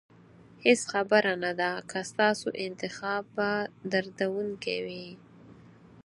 هېڅ خبره نه ده که ستاسو انتخاب به دردونکی وي.